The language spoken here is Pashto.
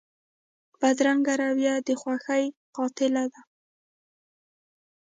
بدرنګه رویه د خوښۍ قاتله ده